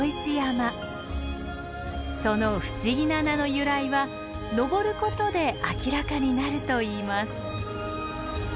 その不思議な名の由来は登ることで明らかになるといいます。